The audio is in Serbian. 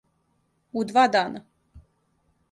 У два дана?